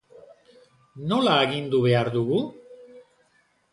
Nola agindu behar dugu?